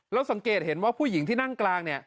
แล้วสังเกตเห็นว่าผู้หญิงที่นั่งกลางเนี่ย